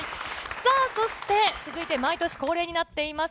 さあ、そして続いて、毎年恒例になっています